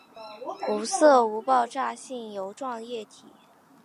无色无爆炸性油状液体。